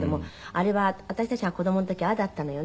あれは私たちが子供の時ああだったのよね。